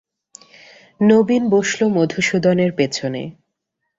নবীন বসল মধুসূদনের পিছনে।